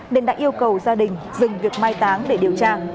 nên đã yêu cầu gia đình dừng việc mai táng để điều tra